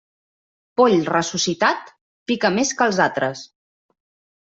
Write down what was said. Poll ressuscitat, pica més que els altres.